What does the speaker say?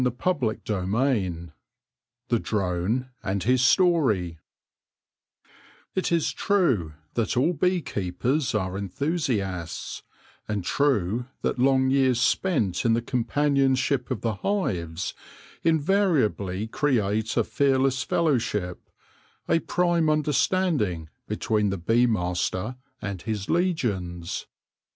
CHAPTER XIV THE DRONE AND HIS STORY IT is true that all bee keepers are enthusiasts, and true that long years spent in the com panionship of the hives invariably create a fearless fellowship, a prime understanding between the 162 THE LORE OF THE HONEY BEE bee master and his legions.